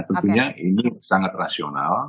tentunya ini sangat rasional